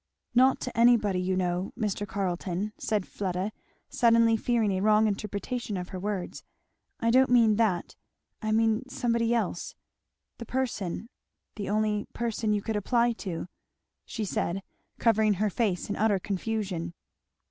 "Not to anybody you know, Mr. Carleton," said Fleda, suddenly fearing a wrong interpretation of her words, "I don't mean that I mean somebody else the person the only person you could apply to " she said, covering her face in utter confusion.